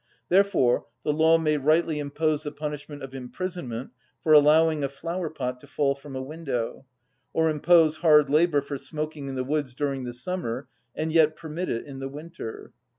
Therefore the law may rightly impose the punishment of imprisonment for allowing a flower‐pot to fall from a window, or impose hard labour for smoking in the woods during the summer, and yet permit it in the winter.